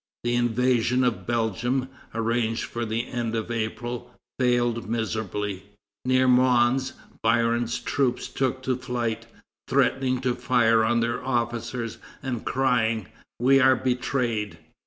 The invasion of Belgium, arranged for the end of April, failed miserably. Near Mons, Biron's troops took to flight, threatening to fire on their officers, and crying: "We are betrayed!"